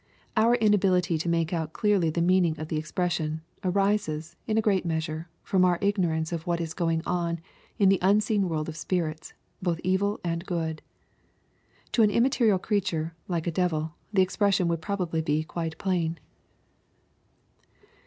— Our inability to make out clearly the meaning of the expression, arises, in a great measure, from our ignorance of what is going on in the unseen world of spirits, both evil and good. To an immaterial creature, like a devil, the expression would probably be quite plain.